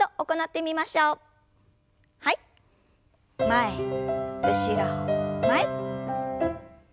前後ろ前。